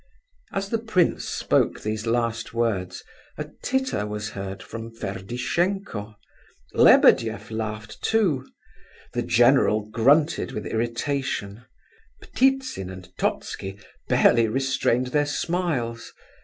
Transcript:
As the prince spoke these last words a titter was heard from Ferdishenko; Lebedeff laughed too. The general grunted with irritation; Ptitsin and Totski barely restrained their smiles.